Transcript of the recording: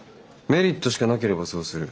メリットしかなければそうする。